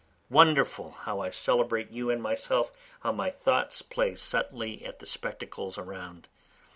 Wonderful how I celebrate you and myself How my thoughts play subtly at the spectacles around!